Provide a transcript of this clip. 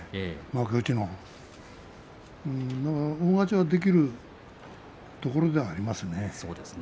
幕内の大勝ちはできるところではありますね。